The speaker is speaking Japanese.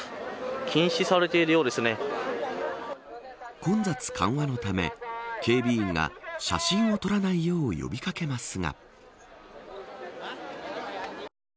混雑緩和のため警備員が写真を撮らないよう呼び掛けますが。